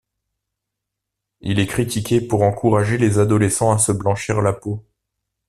Il est critiqué pour encourager les adolescents à se blanchir la peau.